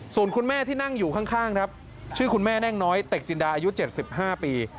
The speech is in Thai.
ส่วนคุณแม่ที่นั่งอยู่ข้างครับชื่อคุณแม่แน่งน้อยเต็กจินดาอายุ๗๕ปี